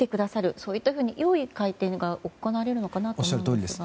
そういったふうによい改定が行われるのかなと思いますが。